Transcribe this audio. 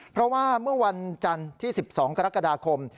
เพราะว่าเมื่อวันจันทร์ที่๑๒กรกฎาคม